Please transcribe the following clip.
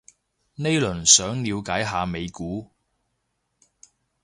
呢輪想了解下美股